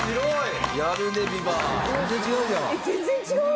全然違う！